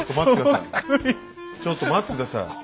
ちょっと待って下さい。